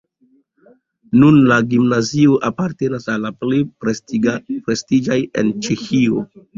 Nun la gimnazio apartenas al la plej prestiĝaj en Ĉeĥio.